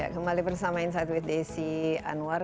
kembali bersama insight with desi anwar